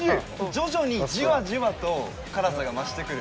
徐々にじわじわと辛さが増してくる。